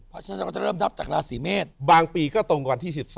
ว่าเริ่มรับจากราศรีเมตรบางปีก็ตรงกว่าที่๑๓